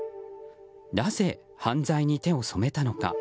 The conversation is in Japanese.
なぜ犯罪に手を染めたのか。